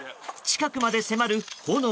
近くまで迫る炎。